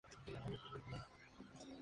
Tuvo que definirse en muerte súbita.